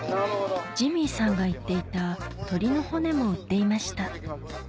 ジミーさんが言っていた鶏の骨も売っていました